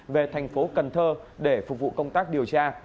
về thành phố cần thơ để phục vụ công tác điều tra